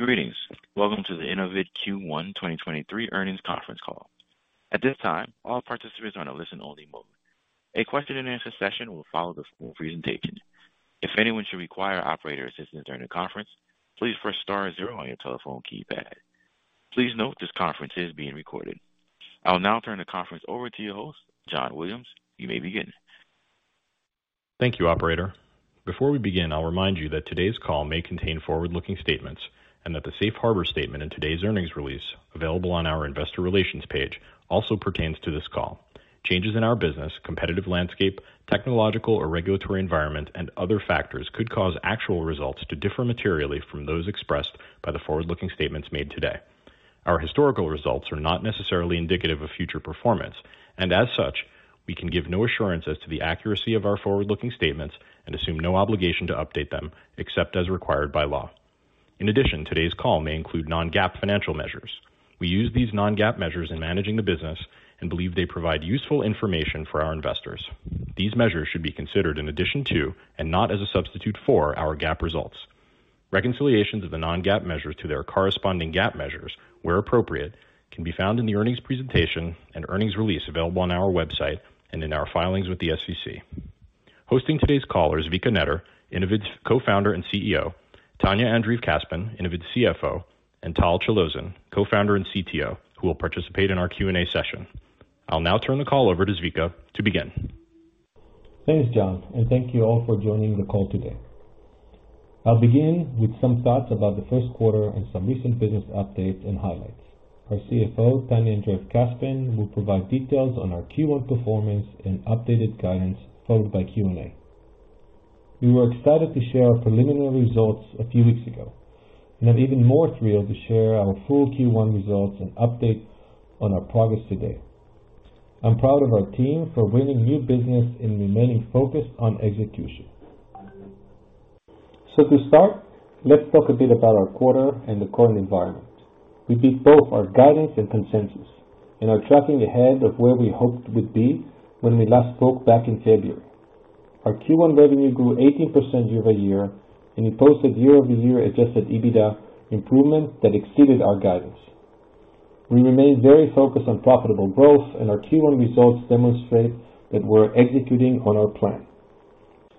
Greetings. Welcome to the Innovid Q1 2023 earnings conference call. At this time, all participants are in a listen-only mode. A question-and-answer session will follow this presentation. If anyone should require operator assistance during the conference, please press star zero on your telephone keypad. Please note this conference is being recorded. I will now turn the conference over to your host, John Williams. You may begin. Thank you, operator. Before we begin, I'll remind you that today's call may contain forward-looking statements and that the safe harbor statement in today's earnings release, available on our investor relations page, also pertains to this call. Changes in our business, competitive landscape, technological or regulatory environment, and other factors could cause actual results to differ materially from those expressed by the forward-looking statements made today. Our historical results are not necessarily indicative of future performance, and as such, we can give no assurance as to the accuracy of our forward-looking statements and assume no obligation to update them except as required by law. In addition, today's call may include non-GAAP financial measures. We use these non-GAAP measures in managing the business and believe they provide useful information for our investors. These measures should be considered in addition to, and not as a substitute for, our GAAP results. Reconciliations of the non-GAAP measures to their corresponding GAAP measures, where appropriate, can be found in the earnings presentation and earnings release available on our website and in our filings with the SEC. Hosting today's call is Zvika Netter, Innovid's Co-Founder and CEO, Tanya Andreev Kaspin, Innovid's CFO, and Tal Chalozin, Co-Founder and CTO, who will participate in our Q&A session. I'll now turn the call over to Zvika to begin. Thanks, John, thank you all for joining the call today. I'll begin with some thoughts about the first quarter and some recent business updates and highlights. Our CFO, Tanya Andreev Kaspin, will provide details on our Q1 performance and updated guidance, followed by Q&A. We were excited to share our preliminary results a few weeks ago and are even more thrilled to share our full Q1 results and update on our progress today. I'm proud of our team for winning new business and remaining focused on execution. To start, let's talk a bit about our quarter and the current environment. We beat both our guidance and consensus and are tracking ahead of where we hoped we'd be when we last spoke back in February. Our Q1 revenue grew 18% year-over-year, and we posted year-over-year adjusted EBITDA improvement that exceeded our guidance. We remain very focused on profitable growth and our Q1 results demonstrate that we're executing on our plan.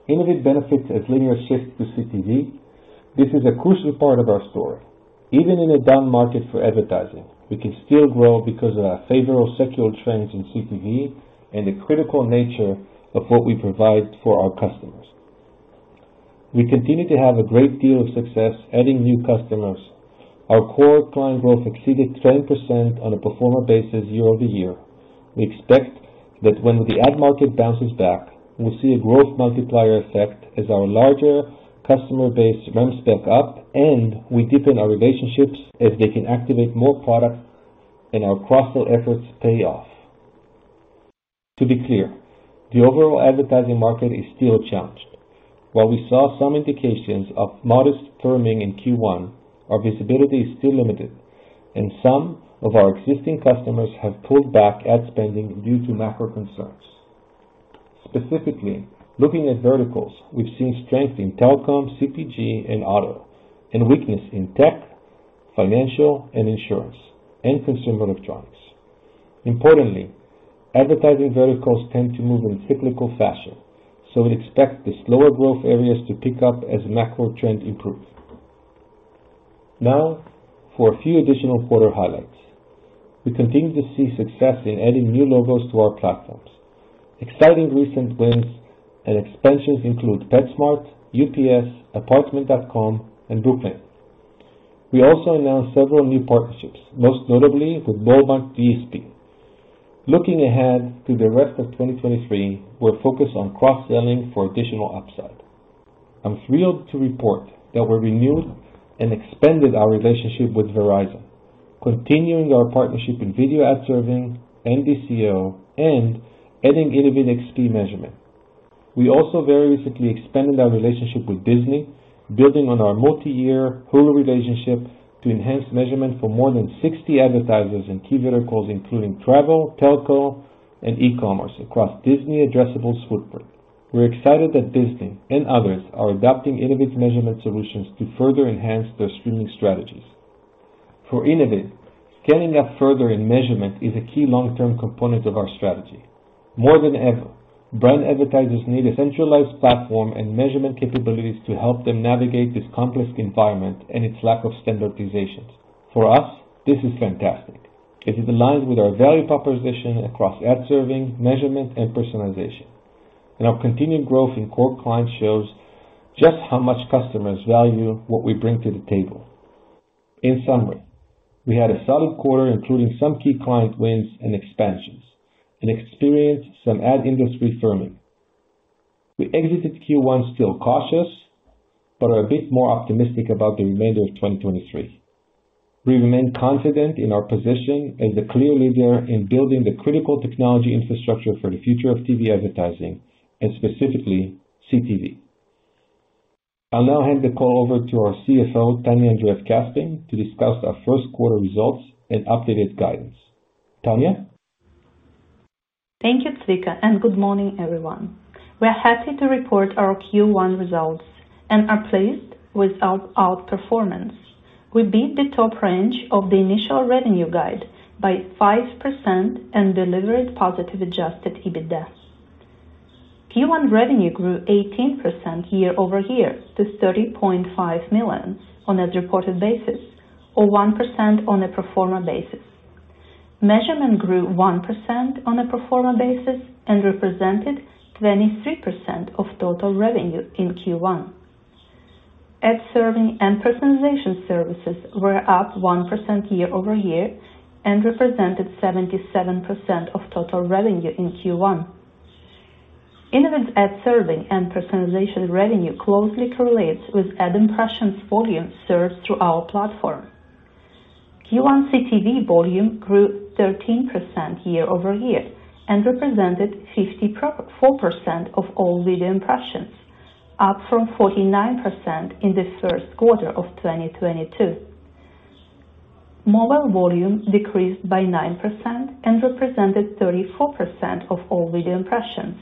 Innovid benefits as linear shifts to CTV. This is a crucial part of our story. Even in a down market for advertising, we can still grow because of our favorable secular trends in CTV and the critical nature of what we provide for our customers. We continue to have a great deal of success adding new customers. Our core client growth exceeded 10% on a pro forma basis year-over-year. We expect that when the ad market bounces back, we'll see a growth multiplier effect as our larger customer base ramps back up and we deepen our relationships as they can activate more products and our cross-sell efforts pay off. To be clear, the overall advertising market is still a challenge. While we saw some indications of modest firming in Q1, our visibility is still limited and some of our existing customers have pulled back ad spending due to macro concerns. Specifically, looking at verticals, we've seen strength in telecom, CPG, and auto, and weakness in tech, financial, and insurance, and consumer electronics. Importantly, advertising verticals tend to move in cyclical fashion, so we expect the slower growth areas to pick up as macro trends improve. Now for a few additional quarter highlights. We continue to see success in adding new logos to our platforms. Exciting recent wins and expansions include PetSmart, UPS, Apartments.com, and Brooklinen. We also announced several new partnerships, most notably with Walmart DSP. Looking ahead to the rest of 2023, we're focused on cross-selling for additional upside. I'm thrilled to report that we renewed and expanded our relationship with Verizon, continuing our partnership in video ad serving and DCO and adding InnovidXP measurement. We also very recently expanded our relationship with Disney, building on our multi-year Hulu relationship to enhance measurement for more than 60 advertisers in key verticals, including travel, telco, and e-commerce across Disney addressable footprint. We're excited that Disney and others are adopting Innovid's measurement solutions to further enhance their streaming strategies. For Innovid, scaling up further in measurement is a key long-term component of our strategy. More than ever, brand advertisers need a centralized platform and measurement capabilities to help them navigate this complex environment and its lack of standardizations. For us, this is fantastic as it aligns with our value proposition across ad serving, measurement, and personalization. Our continued growth in core clients shows just how much customers value what we bring to the table. In summary, we had a solid quarter, including some key client wins and expansions, and experienced some ad industry firming. We exited Q1 still cautious, but are a bit more optimistic about the remainder of 2023. We remain confident in our positioning as a clear leader in building the critical technology infrastructure for the future of TV advertising and specifically CTV. I'll now hand the call over to our CFO, Tanya Andreev Kaspin, to discuss our first quarter results and updated guidance. Tanya? Thank you, Zvika, good morning, everyone. We are happy to report our Q1 results and are pleased with our outperformance. We beat the top range of the initial revenue guide by 5% and delivered positive adjusted EBITDA. Q1 revenue grew 18% year-over-year to $30.5 million on as reported basis, or 1% on a pro forma basis. Measurement grew 1% on a pro forma basis and represented 23% of total revenue in Q1. Ad serving and personalization services were up 1% year-over-year and represented 77% of total revenue in Q1. Innovid's ad serving and personalization revenue closely correlates with ad impressions volume served through our platform. Q1 CTV volume grew 13% year-over-year and represented 54% of all video impressions, up from 49% in the first quarter of 2022. Mobile volume decreased by 9% and represented 34% of all video impressions,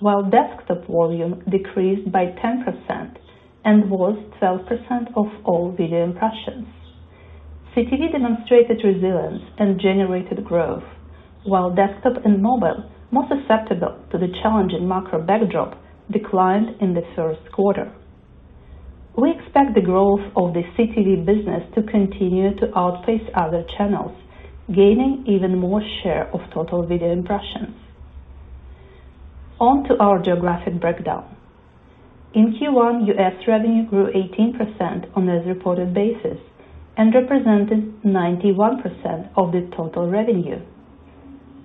while desktop volume decreased by 10% and was 12% of all video impressions. CTV demonstrated resilience and generated growth, while desktop and mobile, most susceptible to the challenging macro backdrop, declined in the first quarter. We expect the growth of the CTV business to continue to outpace other channels, gaining even more share of total video impressions. On to our geographic breakdown. In Q1, U.S. revenue grew 18% on as reported basis and represented 91% of the total revenue.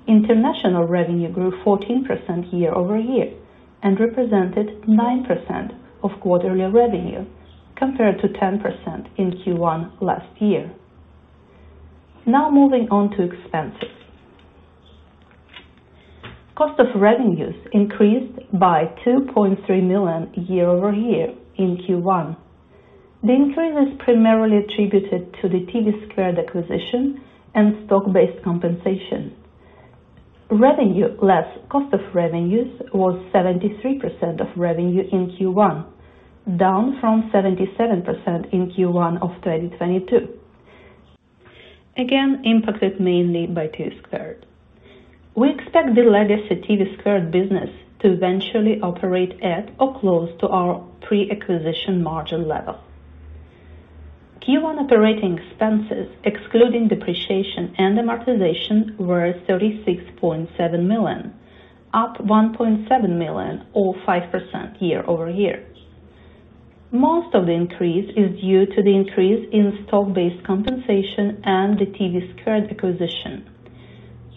International revenue grew 14% year-over-year and represented 9% of quarterly revenue, compared to 10% in Q1 last year. Moving on to expenses. Cost of revenues increased by $2.3 million year-over-year in Q1. The increase is primarily attributed to the TVSquared acquisition and stock-based compensation. Revenue less cost of revenues was 73% of revenue in Q1, down from 77% in Q1 of 2022. Again, impacted mainly by TVSquared. We expect the legacy TVSquared business to eventually operate at or close to our pre-acquisition margin level. Q1 operating expenses, excluding depreciation and amortization, were $36.7 million, up $1.7 million or 5% year-over-year. Most of the increase is due to the increase in stock-based compensation and the TVSquared acquisition,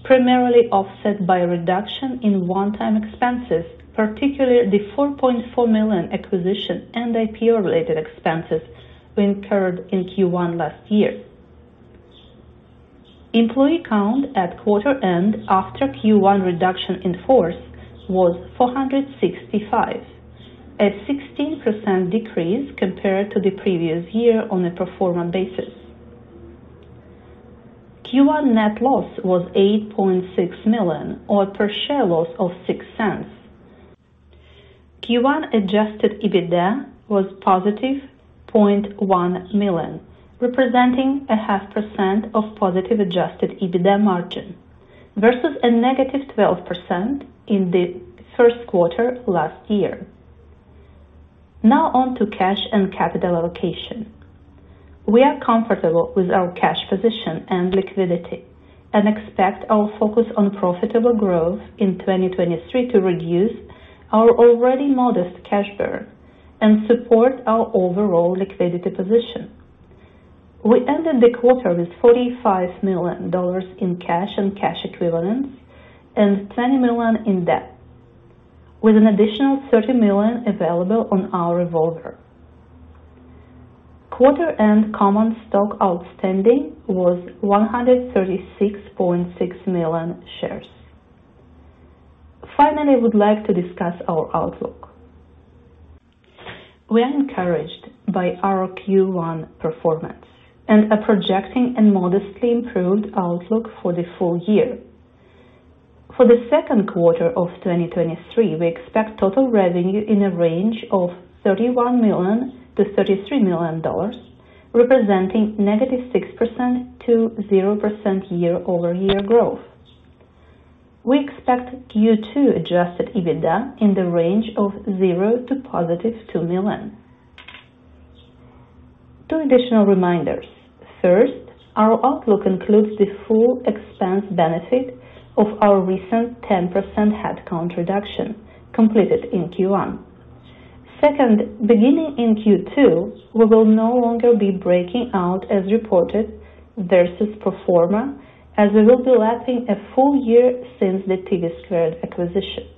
primarily offset by a reduction in one-time expenses, particularly the $4.4 million acquisition and IPO-related expenses we incurred in Q1 last year. Employee count at quarter end after Q1 reduction in force was 465, a 16% decrease compared to the previous year on a pro forma basis. Q1 net loss was $8.6 million or a per share loss of $0.06. Q1 adjusted EBITDA was positive $0.1 million, representing a half % of positive adjusted EBITDA margin versus a negative 12% in the first quarter last year. On to cash and capital allocation. We are comfortable with our cash position and liquidity and expect our focus on profitable growth in 2023 to reduce our already modest cash burn and support our overall liquidity position. We ended the quarter with $45 million in cash and cash equivalents and $20 million in debt, with an additional $30 million available on our revolver. Quarter end common stock outstanding was 136.6 million shares. I would like to discuss our outlook. We are encouraged by our Q1 performance and are projecting a modestly improved outlook for the full year. For the second quarter of 2023, we expect total revenue in a range of $31 million-$33 million, representing -6%-0% year-over-year growth. We expect Q2 adjusted EBITDA in the range of $0-$2 million. Two additional reminders. First, our outlook includes the full expense benefit of our recent 10% headcount reduction completed in Q1. Second, beginning in Q2, we will no longer be breaking out as reported versus pro forma, as we will be lapsing a full year since the TVSquared acquisition.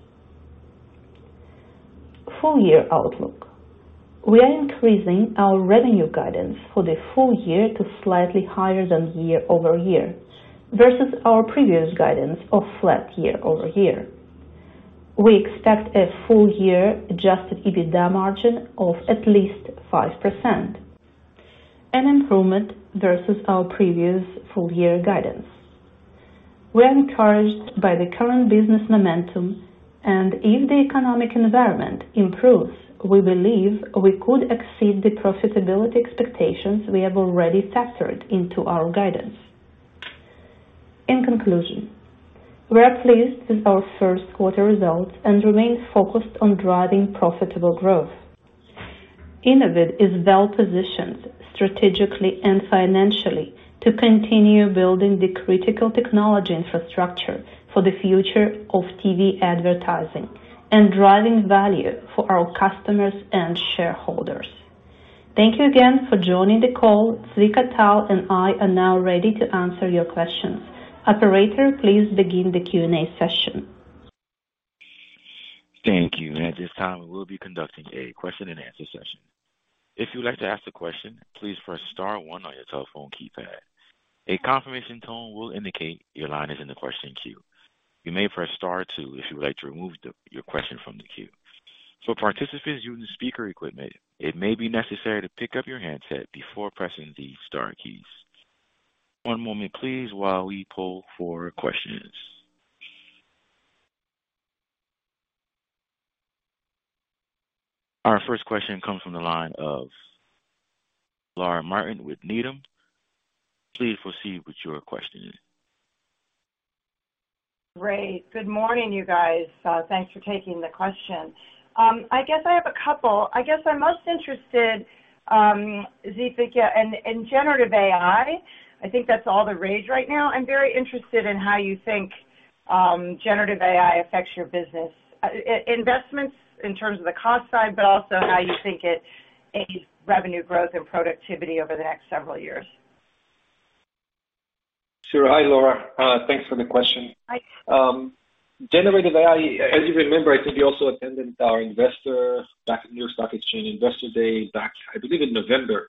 Full year outlook. We are increasing our revenue guidance for the full year to slightly higher than year-over-year versus our previous guidance of flat year-over-year. We expect a full year adjusted EBITDA margin of at least 5%. An improvement versus our previous full year guidance. We are encouraged by the current business momentum and if the economic environment improves, we believe we could exceed the profitability expectations we have already factored into our guidance. In conclusion, we are pleased with our first quarter results and remain focused on driving profitable growth. Innovid is well-positioned strategically and financially to continue building the critical technology infrastructure for the future of TV advertising and driving value for our customers and shareholders. Thank you again for joining the call. Zvika, Tal and I are now ready to answer your questions. Operator, please begin the Q&A session. Thank you. At this time, we'll be conducting a question-and-answer session. If you'd like to ask a question, please press star one on your telephone keypad. A confirmation tone will indicate your line is in the question queue. You may press star two if you would like to remove your question from the queue. For participants using speaker equipment, it may be necessary to pick up your handset before pressing the star keys. One moment please while we pull for questions. Our first question comes from the line of Laura Martin with Needham. Please proceed with your question. Great. Good morning, you guys. Thanks for taking the question. I guess I have a couple. I guess I'm most interested, Zvika, in generative AI. I think that's all the rage right now. I'm very interested in how you think generative AI affects your business, investments in terms of the cost side, but also how you think it aids revenue growth and productivity over the next several years. Sure. Hi, Laura. Thanks for the question. Hi. Generative AI, as you remember, I think you also attended our investor back at New York Stock Exchange Investor Day back, I believe in November.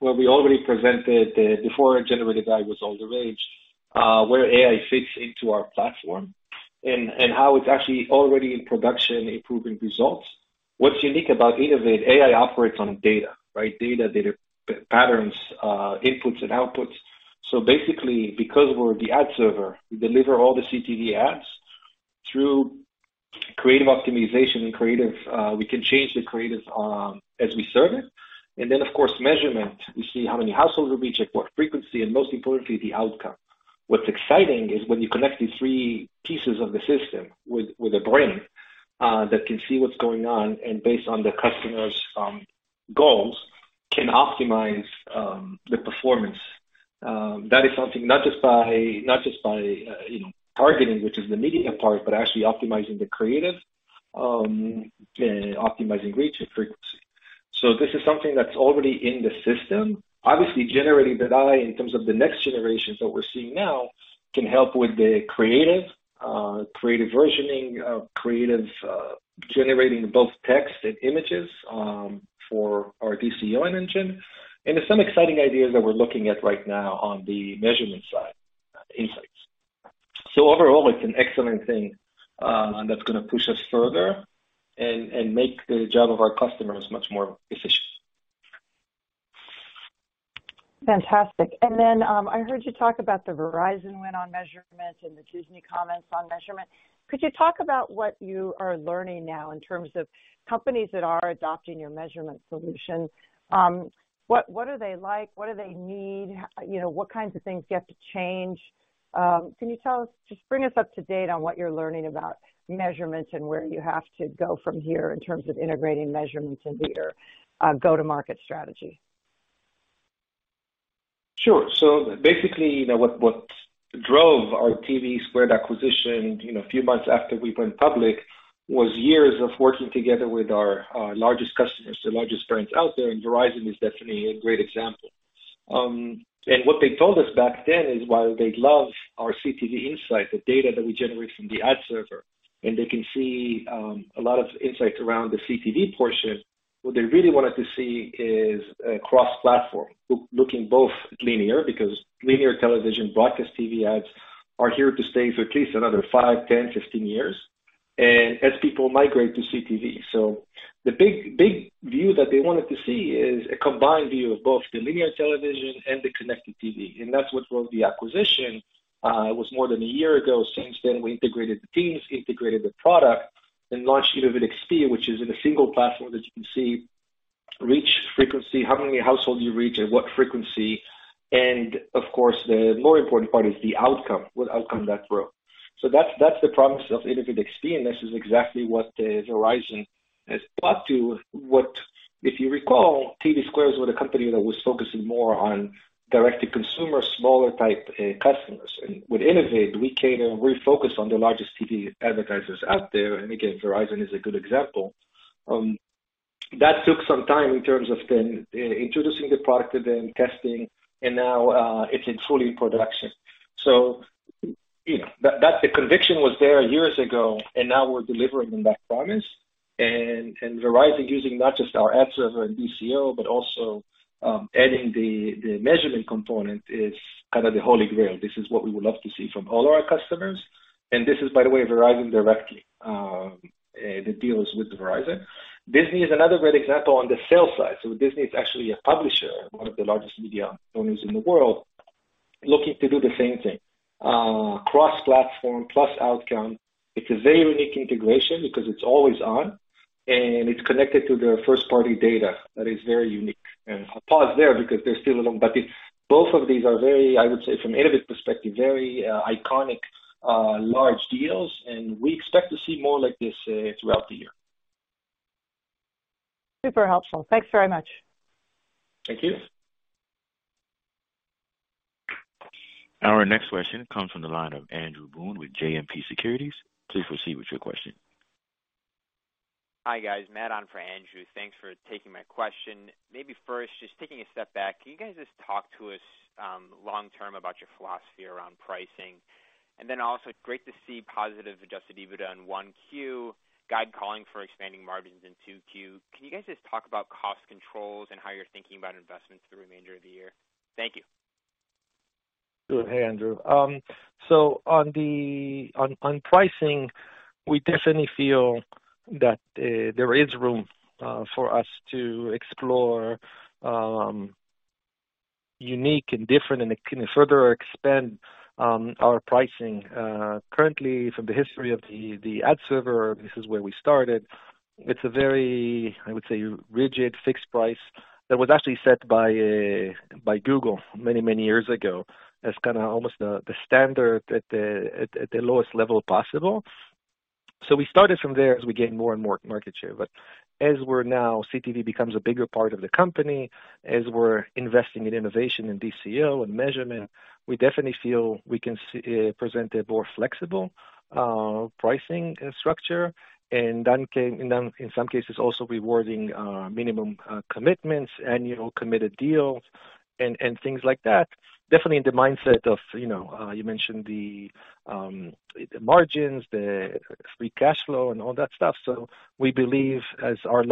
We already presented before generative AI was all the rage, where AI fits into our platform and how it's actually already in production improving results. What's unique about Innovid, AI operates on data, right? Data, data patterns, inputs and outputs. Basically, because we're the ad server, we deliver all the CTV ads through creative optimization and creative, we can change the creative as we serve it. Then of course, measurement. We see how many households we reach, at what frequency, and most importantly, the outcome. What's exciting is when you connect these three pieces of the system with a brain that can see what's going on and based on the customer's goals, can optimize the performance. That is something not just by, not just by, you know, targeting, which is the media part, but actually optimizing the creative, optimizing reach and frequency. This is something that's already in the system. Obviously, generative AI in terms of the next generations that we're seeing now, can help with the creative versioning, creative generating both text and images for our DCO engine. There's some exciting ideas that we're looking at right now on the measurement side, insights. Overall, it's an excellent thing that's gonna push us further and make the job of our customers much more efficient. Fantastic. I heard you talk about the Verizon win on measurement and the Disney comments on measurement. Could you talk about what you are learning now in terms of companies that are adopting your measurement solutions? What are they like? What do they need? You know, what kinds of things you have to change? Can you tell us, just bring us up to date on what you're learning about measurement and where you have to go from here in terms of integrating measurement into your go-to-market strategy. Sure. Basically, you know, what drove our TVSquared acquisition, you know, a few months after we went public, was years of working together with our largest customers, the largest brands out there, and Verizon is definitely a great example. What they told us back then is while they love our CTV insight, the data that we generate from the ad server, and they can see a lot of insights around the CTV portion, what they really wanted to see is a cross-platform. Looking both linear, because linear television broadcast TV ads are here to stay for at least another five, 10, 15 years, and as people migrate to CTV. The big view that they wanted to see is a combined view of both the linear television and the connected TV, and that's what drove the acquisition. It was more than a year ago. Since then, we integrated the teams, integrated the product, and launched InnovidXP, which is in a single platform that you can see reach, frequency, how many households you reach at what frequency. Of course, the more important part is the outcome. What outcome that grew. That's, that's the promise of InnovidXP, and this is exactly what Verizon has bought to. If you recall, TVSquared was a company that was focusing more on direct-to-consumer, smaller type, customers. With Innovid, we came and refocused on the largest TV advertisers out there, and again, Verizon is a good example. That took some time in terms of then introducing the product to them, testing, and now, it's in fully production. you know, that the conviction was there years ago, and now we're delivering on that promise. Verizon using not just our ad server and DCO, but also adding the measurement component is kind of the holy grail. This is what we would love to see from all our customers. And this is, by the way, Verizon directly that deals with Verizon. Disney is another great example on the sales side. Disney is actually a publisher, one of the largest media owners in the world, looking to do the same thing. cross-platform plus outcome. It's a very unique integration because it's always on, and it's connected to their first-party data. That is very unique. I'll pause there because they're still along. Both of these are very, I would say, from Innovid perspective, very, iconic, large deals, and we expect to see more like this, throughout the year. Super helpful. Thanks very much. Thank you. Our next question comes from the line of Andrew Boone with JMP Securities. Please proceed with your question. Hi, guys. Matt on for Andrew. Thanks for taking my question. Maybe first, just taking a step back, can you guys just talk to us long-term about your philosophy around pricing? Also great to see positive adjusted EBITDA in 1Q, guide calling for expanding margins in 2Q. Can you guys just talk about cost controls and how you're thinking about investments for the remainder of the year? Thank you. Sure. Hey, Andrew. On pricing, we definitely feel that there is room for us to explore unique and different and can further expand our pricing. Currently from the history of the ad server, this is where we started. It's a very, I would say, rigid fixed price that was actually set by Google many years ago as kinda almost the standard at the lowest level possible. We started from there as we gained more market share. As we're now, CTV becomes a bigger part of the company, as we're investing in innovation in DCO and measurement, we definitely feel we can present a more flexible pricing structure, and that can, and then in some cases also rewarding minimum commitments, annual committed deals and things like that. Definitely in the mindset of, you know, you mentioned the margins, the free cash flow and all that stuff. We believe as our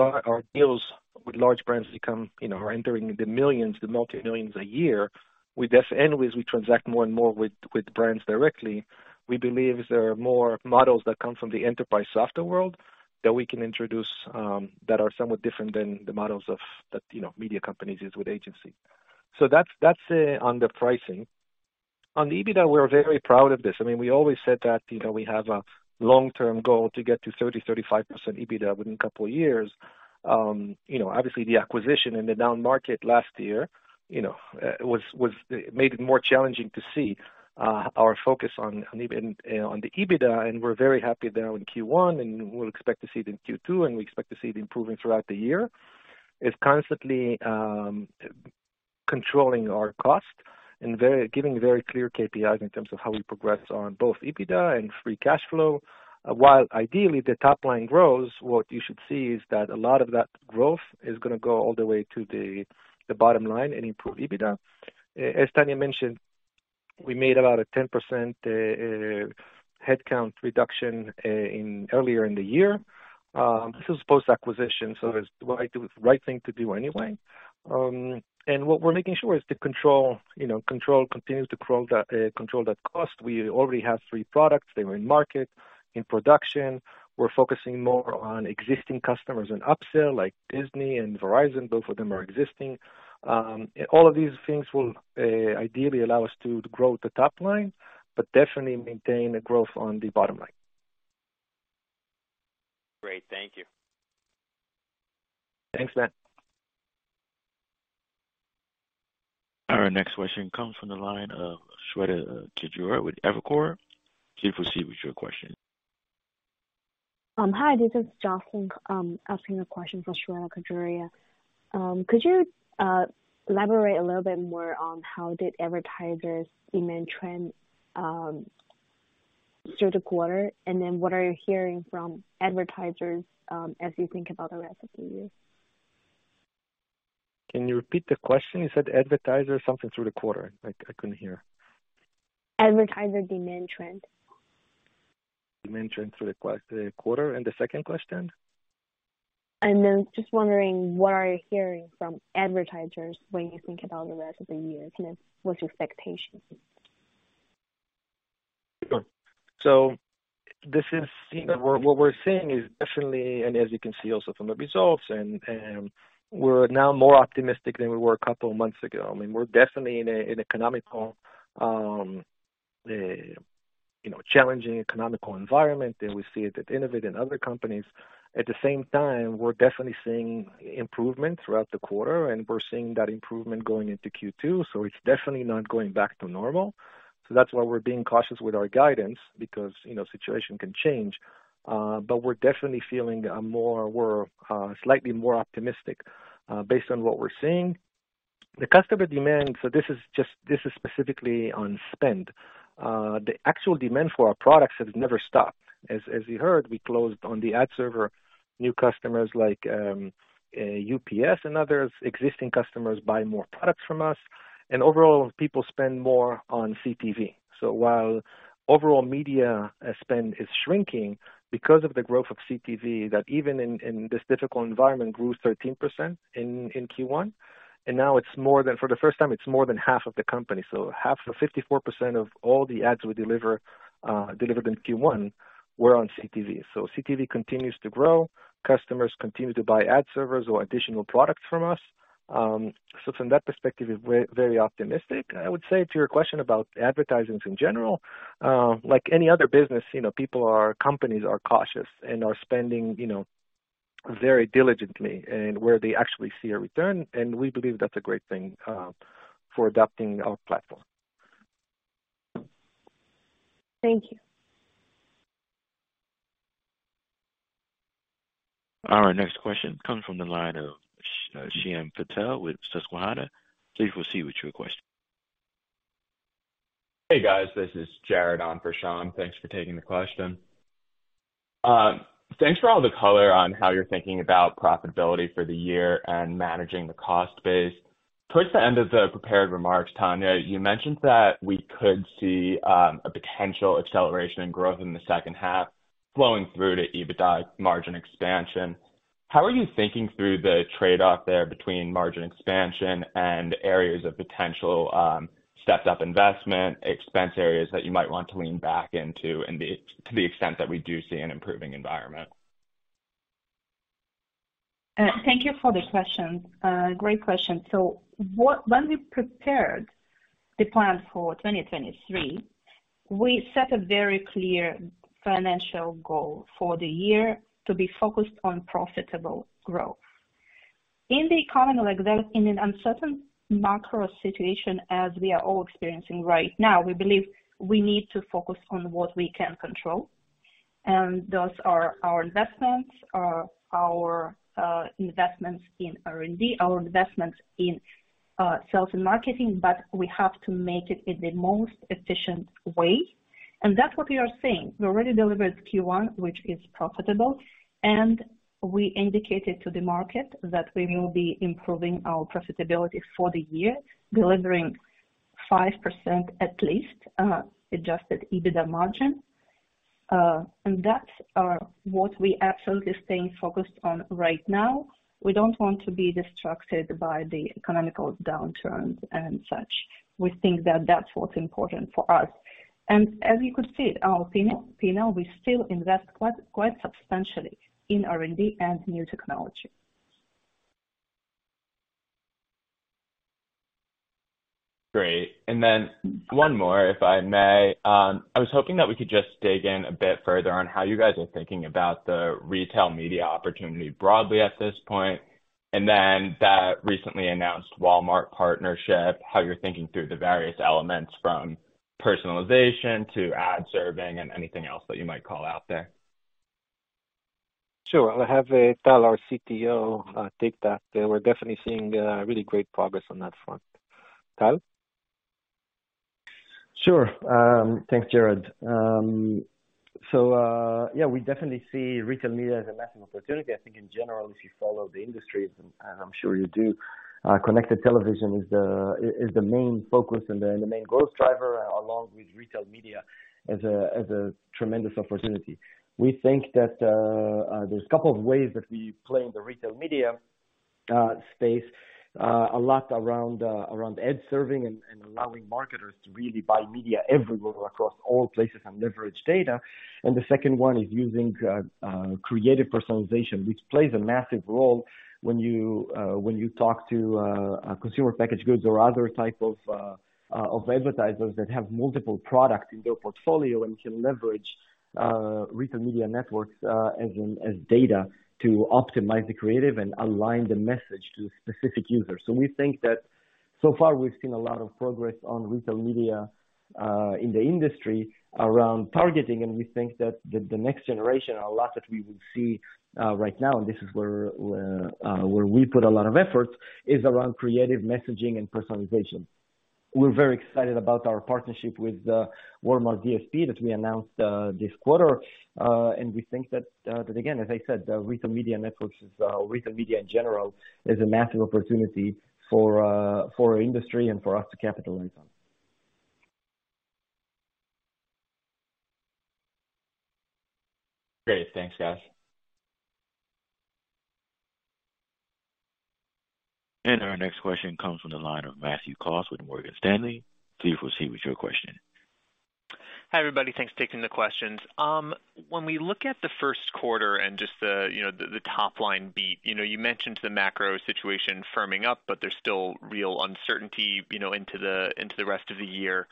deals with large brands become, you know, are entering the millions, the multi-millions a year, and as we transact more and more with brands directly, we believe there are more models that come from the enterprise software world that we can introduce that are somewhat different than the models of, that, you know, media companies use with agencies. That's, that's on the pricing. On the EBITDA, we're very proud of this. I mean, we always said that, you know, we have a long-term goal to get to 30%-35% EBITDA within a couple of years. Obviously the acquisition and the down market last year made it more challenging to see our focus on the EBITDA, and we're very happy that in Q1 and we'll expect to see it in Q2, and we expect to see it improving throughout the year. It's constantly controlling our cost and giving very clear KPIs in terms of how we progress on both EBITDA and free cash flow. While ideally the top line grows, what you should see is that a lot of that growth is gonna go all the way to the bottom line and improve EBITDA. As Tanya mentioned, we made about a 10% headcount reduction earlier in the year. This was post-acquisition, so it's the right thing to do anyway. What we're making sure is the control, you know, control continues to control that cost. We already have three products. They were in market, in production. We're focusing more on existing customers and upsell like Disney and Verizon. Both of them are existing. All of these things will ideally allow us to grow the top line, but definitely maintain a growth on the bottom line. Great. Thank you. Thanks, Matt. Our next question comes from the line of Shweta Khajuria with Evercore. Please proceed with your question. Hi, this is Jocelyn, asking a question for Shweta Khajuria. Could you elaborate a little bit more on how did advertisers demand trend through the quarter? What are you hearing from advertisers as you think about the rest of the year? Can you repeat the question? You said advertisers something through the quarter. I couldn't hear. Advertiser demand trend. Demand trend through the quarter. The second question? Just wondering what are you hearing from advertisers when you think about the rest of the year? You know, what's your expectations? Sure. This is, you know, what we're seeing is definitely and as you can see also from the results and we're now more optimistic than we were a couple of months ago. I mean, we're definitely in a an economical, you know, challenging economical environment, and we see it at Innovid and other companies. At the same time, we're definitely seeing improvement throughout the quarter, and we're seeing that improvement going into Q2, it's definitely not going back to normal. That's why we're being cautious with our guidance because, you know, situation can change. We're definitely feeling more, we're slightly more optimistic based on what we're seeing. The customer demand, this is just, this is specifically on spend. The actual demand for our products has never stopped. As you heard, we closed on the ad server, new customers like UPS and others, existing customers buy more products from us. Overall, people spend more on CTV. While overall media spend is shrinking because of the growth of CTV, that even in this difficult environment grew 13% in Q1, and now for the first time, it's more than half of the company. Half or 54% of all the ads we deliver delivered in Q1 were on CTV. CTV continues to grow. Customers continue to buy ad servers or additional products from us. From that perspective, we're very optimistic. I would say to your question about advertising in general, like any other business, you know, companies are cautious and are spending, you know, very diligently and where they actually see a return. We believe that's a great thing, for adopting our platform. Thank you. All right, next question comes from the line of Shyam Patil with Susquehanna. Please proceed with your question. Hey, guys. This is Jared on for Shyam. Thanks for taking the question. Thanks for all the color on how you're thinking about profitability for the year and managing the cost base. Towards the end of the prepared remarks, Tanya, you mentioned that we could see a potential acceleration in growth in the second half flowing through to EBITDA margin expansion. How are you thinking through the trade-off there between margin expansion and areas of potential stepped-up investment, expense areas that you might want to lean back into to the extent that we do see an improving environment? Thank you for the question. Great question. When we prepared the plan for 2023, we set a very clear financial goal for the year to be focused on profitable growth. In an uncertain macro situation, as we are all experiencing right now, we believe we need to focus on what we can control, and those are our investments, our investments in R&D, our investments in sales and marketing, but we have to make it in the most efficient way. That's what we are saying. We already delivered Q1, which is profitable, and we indicated to the market that we will be improving our profitability for the year, delivering 5%, at least, adjusted EBITDA margin. That's what we absolutely staying focused on right now. We don't want to be distracted by the economical downturns and such. We think that that's what's important for us. As you could see in our P&L, we still invest quite substantially in R&D and new technology. Great. One more, if I may. I was hoping that we could just dig in a bit further on how you guys are thinking about the retail media opportunity broadly at this point, and then that recently announced Walmart partnership, how you're thinking through the various elements from personalization to ad serving and anything else that you might call out there. Sure. I'll have Tal, our CTO, take that. We're definitely seeing really great progress on that front. Tal. Sure. Thanks, Jared. Yeah, we definitely see retail media as a massive opportunity. I think in general, if you follow the industry, and I'm sure you do, connected television is the main focus and the main growth driver along with retail media as a tremendous opportunity. We think that there's a couple of ways that we play in the retail media space, a lot around ad serving and allowing marketers to really buy media everywhere across all places and leverage data. The second one is using creative personalization, which plays a massive role when you talk to a consumer packaged goods or other type of advertisers that have multiple products in their portfolio and can leverage retail media networks as data to optimize the creative and align the message to specific users. We think that so far we've seen a lot of progress on retail media in the industry around targeting, and we think that the next generation, a lot that we will see right now, and this is where we put a lot of effort, is around creative messaging and personalization. We're very excited about our partnership with Walmart DSP that we announced this quarter. We think that again, as I said, retail media networks is retail media in general, is a massive opportunity for for our industry and for us to capitalize on. Great. Thanks, guys. Our next question comes from the line of Matthew Cost with Morgan Stanley. Please proceed with your question. Hi, everybody. Thanks for taking the questions. When we look at the first quarter and just you know, the top line beat, you know, you mentioned the macro situation firming up, but there's still real uncertainty, you know, into the rest of the year.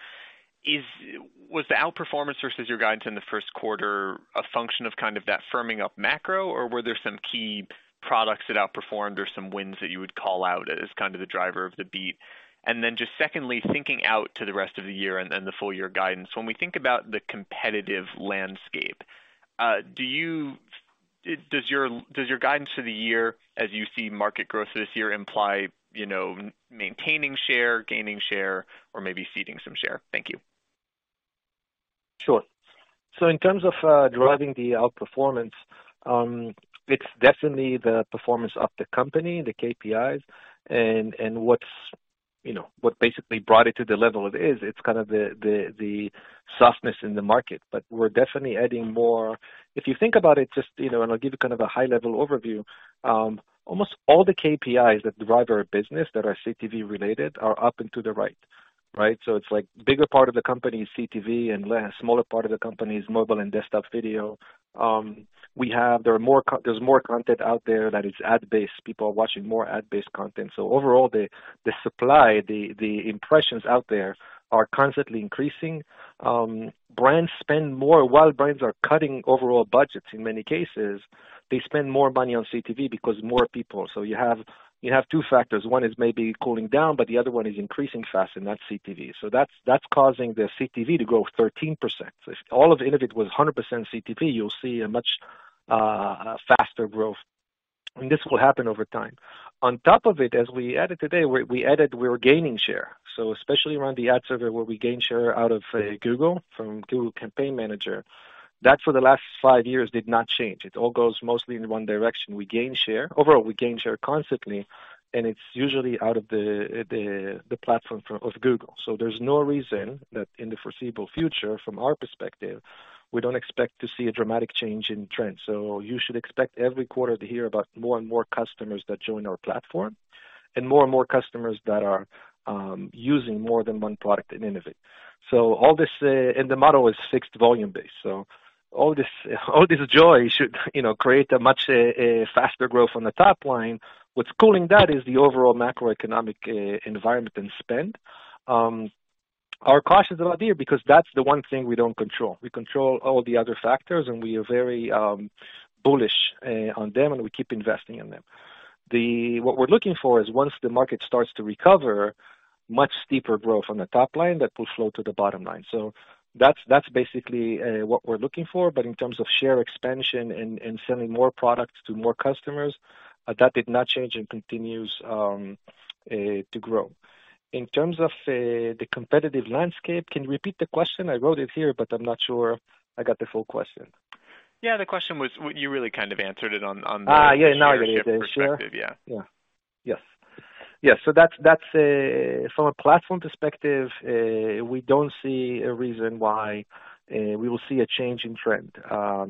Was the outperformance versus your guidance in the first quarter a function of kind of that firming up macro, or were there some key products that outperformed or some wins that you would call out as kind of the driver of the beat? Just secondly, thinking out to the rest of the year and the full year guidance. When we think about the competitive landscape, does your guidance for the year as you see market growth this year imply, you know, maintaining share, gaining share, or maybe ceding some share? Thank you. Sure. In terms of driving the outperformance, it's definitely the performance of the company, the KPIs and what's, you know, what basically brought it to the level it is, it's kind of the softness in the market. We're definitely adding more. If you think about it, just, you know, and I'll give you kind of a high level overview. Almost all the KPIs that drive our business that are CTV related are up and to the right. Right? It's like bigger part of the company is CTV and smaller part of the company is mobile and desktop video. We have. There's more content out there that is ad based. People are watching more ad-based content. Overall, the supply, the impressions out there are constantly increasing. Brands spend more. While brands are cutting overall budgets in many cases, they spend more money on CTV because more people. You have two factors. One is maybe cooling down, but the other one is increasing fast, and that's CTV. That's causing the CTV to grow 13%. If all of Innovid was 100% CTV, you'll see a much faster growth, and this will happen over time. On top of it, as we added today, we added we're gaining share. Especially around the ad server where we gain share out of Google, from Campaign Manager 360. That for the last five years did not change. It all goes mostly in one direction. We gain share. Overall, we gain share constantly, and it's usually out of the platform of Google. There's no reason that in the foreseeable future, from our perspective, we don't expect to see a dramatic change in trends. You should expect every quarter to hear about more and more customers that join our platform and more and more customers that are using more than one product in Innovid. All this, and the model is fixed volume-based, all this joy should, you know, create a much faster growth on the top line. What's cooling that is the overall macroeconomic environment and spend. Our caution is out there because that's the one thing we don't control. We control all the other factors, and we are very bullish on them, and we keep investing in them. What we're looking for is once the market starts to recover, much steeper growth on the top line that will flow to the bottom line. That's basically what we're looking for. In terms of share expansion and selling more products to more customers, that did not change and continues to grow. In terms of the competitive landscape, can you repeat the question? I wrote it here, but I'm not sure I got the full question. Yeah, the question was. You really kind of answered it on the. Yeah. Now I get it. The share? Leadership perspective. Yeah. Yeah. Yes. That's, that's, From a platform perspective, we don't see a reason why, we will see a change in trend.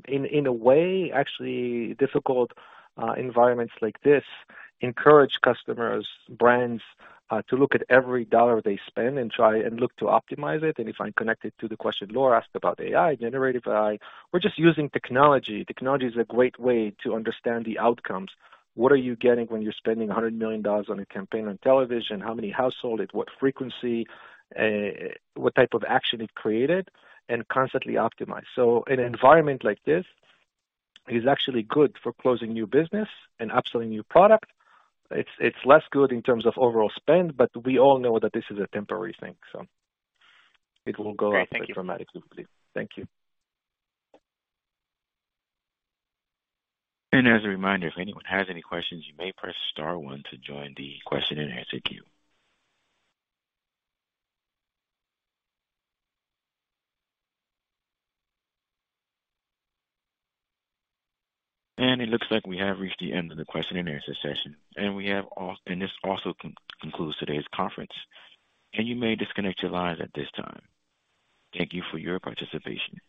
In, in a way, actually difficult, environments like this encourage customers, brands, to look at every dollar they spend and try and look to optimize it. If I connect it to the question Laura asked about AI, generative AI, we're just using technology. Technology is a great way to understand the outcomes. What are you getting when you're spending $100 million on a campaign on television? How many household? At what frequency? What type of action it created? And constantly optimize. An environment like this is actually good for closing new business and upselling new product. It's less good in terms of overall spend, but we all know that this is a temporary thing, so it will go up dramatically. Great. Thank you. Thank you. As a reminder, if anyone has any questions, you may press star one to join the question-and-answer queue. It looks like we have reached the end of the question-and-answer session, and this also concludes today's conference. You may disconnect your lines at this time. Thank you for your participation.